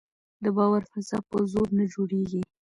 د باور فضا په زور نه جوړېږي